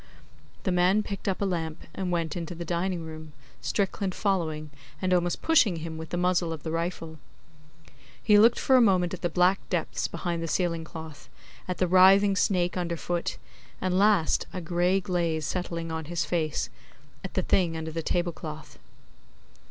The man picked up a lamp, and went into the dining room, Strickland following, and almost pushing him with the muzzle of the rifle. He looked for a moment at the black depths behind the ceiling cloth; at the writhing snake under foot; and last, a gray glaze settling on his face, at the thing under the tablecloth.